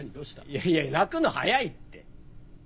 いやいや泣くの早いって。